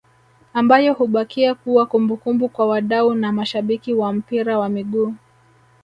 ambayo hubakia kuwa kumbukumbu kwa wadau na mashabiki wa mpira wa miguu